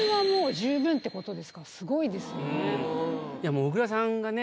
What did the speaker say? もう小倉さんがね